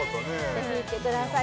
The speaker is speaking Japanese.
ぜひ行ってください